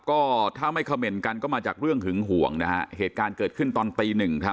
ก็ถ้าไม่เขม่นกันก็มาจากเรื่องหึงห่วงนะฮะเหตุการณ์เกิดขึ้นตอนตีหนึ่งครับ